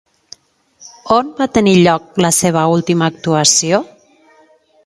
On va tenir lloc la seva última actuació?